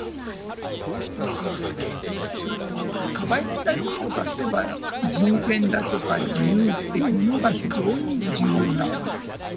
バイデン大統領からすれば、人権だとか自由っていうものが非常に重要なわけです。